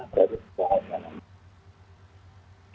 dari segala manalah